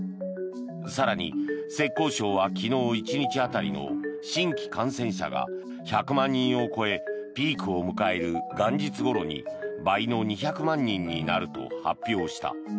更に、浙江省は昨日１日当たりの新規感染者が１００万人を超えピークを迎える元日ごろに倍の２００万人になると発表した。